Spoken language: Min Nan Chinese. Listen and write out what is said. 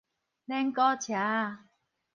輪鼓車仔